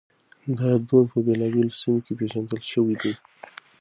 دا دود په بېلابېلو سيمو کې پېژندل شوی دی.